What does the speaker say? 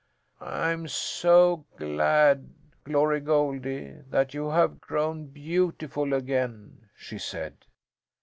"I'm so glad, Glory Goldie, that you have grown beautiful again," she said.